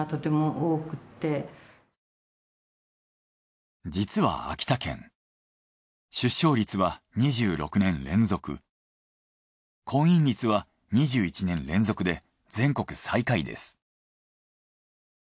なんか実は秋田県出生率は２６年連続婚姻率は２１年連続で全国最下位です。